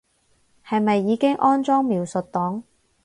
係咪已經安裝描述檔